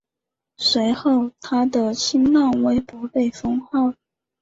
随后他的新浪微博被封号。